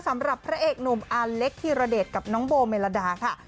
สำหรับพระเอกหนุ่มอาเล็กธิรเดชกับน้องโบเมลดาค่ะ